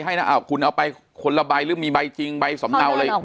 ให้นะอ่ะคุณเอาไปคนละใบหรือมีใบจริงใบสำเนาเลยเขาเดินออก